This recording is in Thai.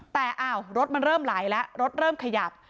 แต่อ้าวรถมันเริ่มไหลแล้วรถเริ่มขยับ